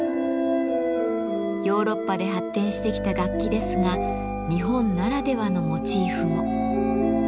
ヨーロッパで発展してきた楽器ですが日本ならではのモチーフも。